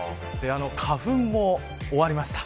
花粉も終わりました。